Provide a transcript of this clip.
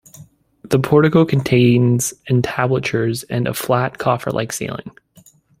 The portico contains entablatures and a flat, coffer-like ceiling.